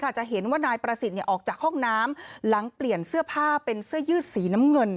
จะเห็นว่านายประสิทธิ์ออกจากห้องน้ำหลังเปลี่ยนเสื้อผ้าเป็นเสื้อยืดสีน้ำเงิน